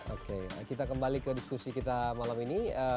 oke kita kembali ke diskusi kita malam ini